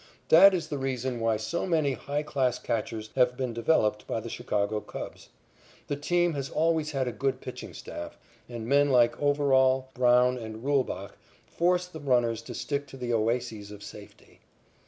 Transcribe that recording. That is the reason why so many high class catchers have been developed by the Chicago Cubs. The team has always had a good pitching staff, and men like Overall, Brown and Reulbach force the runners to stick to the oases of safety.